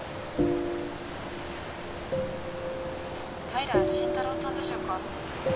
☎平真太郎さんでしょうか？